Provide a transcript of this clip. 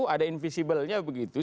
ada invisible nya begitu